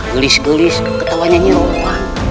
neng delis neng delis ketawanya nyawa